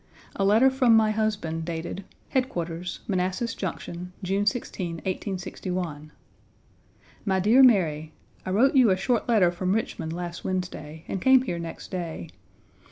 A letter from my husband dated, "Headquarters, Manassas Junction, June 16, 1861": MY DEAR MARY: I wrote you a short letter from Richmond last Wednesday, and came here next day.